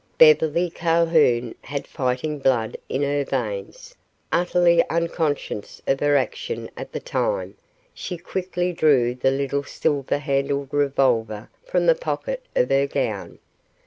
Beverly Calhoun had fighting blood in her veins. Utterly unconscious of her action, at the time, she quickly drew the little silver handled revolver from the pocket of her gown.